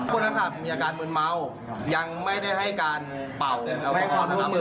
คนนะครับมีอากาศเงินเมายังไม่ได้ให้การเป่า